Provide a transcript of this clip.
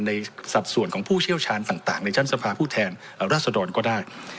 ในสัตว์ส่วนของผู้เชี่ยวชาญต่างในท่านสภาพูดแทนรัศดรก็ได้